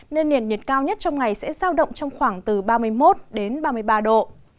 nên nền nhiệt cao nhất trong ngày sẽ giao động trong khoảng từ ba mươi một đến ba mươi ba độ